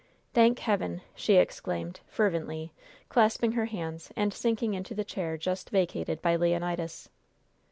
"Thank Heaven!" she exclaimed, fervently, clasping her hands and sinking into the chair just vacated by Leonidas.